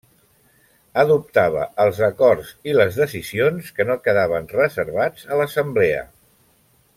Adoptava els acords i les decisions que no quedaven reservats a l'Assemblea.